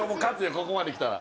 ここまできたら。